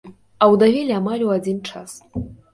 Аўдавелі амаль у адзін час.